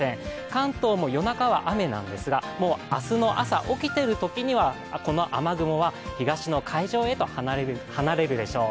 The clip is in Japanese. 関東も夜中は雨なんですが、明日の朝、起きてるときにはこの雨雲は東の海上へと離れるでｙそう。